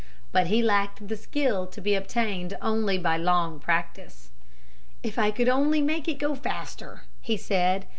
But he lacked the skill to be obtained only by long practice. "If I could only make it go faster," he said.